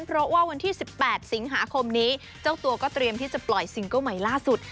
เพราะว่าวันที่๑๘สิงหาคมนี้เจ้าตัวก็เตรียมที่จะปล่อยซิงเกิ้ลใหม่ล่าสุด